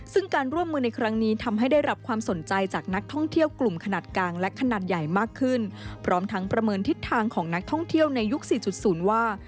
ซึ่งการร่วมมือในครั้งนี้ทำให้ได้รับความสนใจจากนักท่องเที่ยวกลุ่มขนาดกลางและขนาดใหญ่มากขึ้นพร้อมทั้งประเมินทิศทางของนักท่องเที่ยวในยุค๔๐ว่า